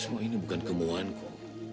semua ini bukan kemohanku